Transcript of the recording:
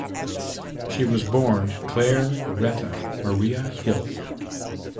She was born Claire Retta Marie Hill.